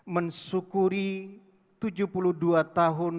mensyukuri tujuh puluh dua tahun